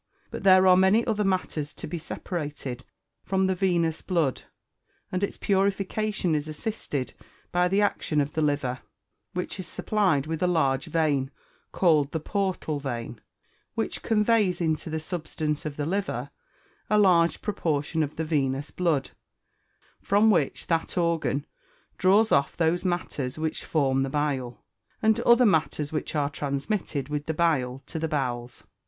But there are many other matters to be separated from the venous blood, and its purification is assisted by the action of the liver, which is supplied with a large vein, called the portal vein, which conveys into the substance of the liver, a large proportion of the venous blood, from which that organ draws off those matters which form the bile, and other matters which are transmitted with the bile to the bowels.